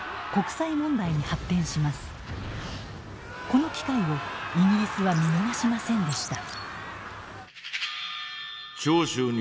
この機会をイギリスは見逃しませんでした。